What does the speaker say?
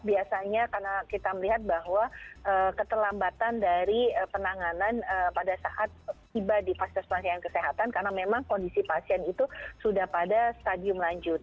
biasanya karena kita melihat bahwa keterlambatan dari penanganan pada saat tiba di paskesmas yang kesehatan karena memang kondisi pasien itu sudah pada stadium lanjut